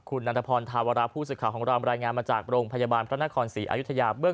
คุณนันทพรธาวราผู้สื่อข่าวของเรารายงานมาจากโรงพยาบาลพระนครศรีอายุทยาเบื้อง